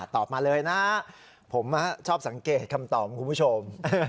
ตอบมาเลยนะผมชอบสังเกตคำตอบของคุณผู้ชม